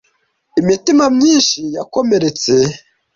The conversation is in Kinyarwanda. Imitima myinshi yakomeretse!